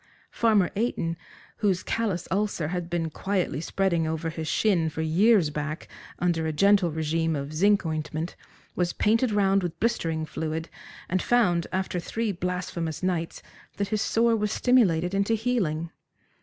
Farmer Eyton, whose callous ulcer had been quietly spreading over his shin for years back under a gentle regime of zinc ointment, was painted round with blistering fluid, and found, after three blasphemous nights, that his sore was stimulated into healing.